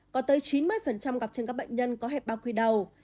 có tới chín mươi gặp trên các bệnh nhân có hẹp bao quy đầu